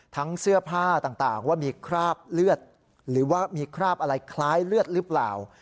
เสื้อผ้าต่างว่ามีคราบเลือดหรือว่ามีคราบอะไรคล้ายเลือดหรือเปล่า